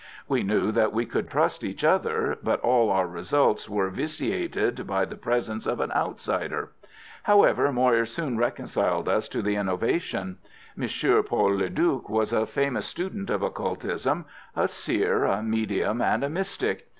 We knew that we could trust each other, but all our results were vitiated by the presence of an outsider. However, Moir soon reconciled us to the innovation. Monsieur Paul Le Duc was a famous student of occultism, a seer, a medium, and a mystic.